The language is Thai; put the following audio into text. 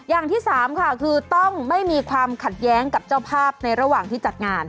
อย่างที่สามค่ะคือต้องไม่มีความขัดแย้งกับเจ้าภาพในระหว่างที่จัดงาน